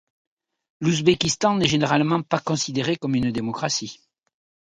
L'Ouzbékistan n'est généralement pas considéré comme une démocratie.